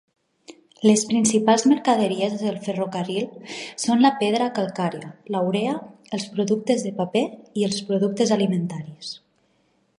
Les principals mercaderies del ferrocarril són la pedra calcària, la urea, els productes de paper i els productes alimentaris.